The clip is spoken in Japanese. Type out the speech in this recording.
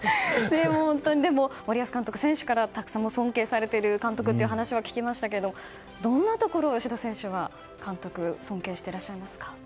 でも、森保監督は選手から尊敬されている監督という話は聞きましたけどもどんなところを吉田選手監督、尊敬していますか。